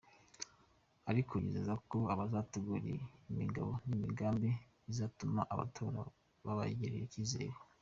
Ariko yizeza ko bazategura imigabo n’imigambi izatuma abatora babagirira icyizere.